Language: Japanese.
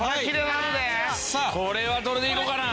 これはどれでいこうかな？